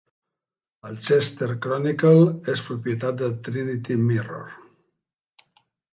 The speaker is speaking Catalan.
El "Chester Chronicle" és propietat de Trinity Mirror.